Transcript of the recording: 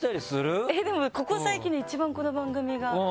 でもここ最近で一番この番組が。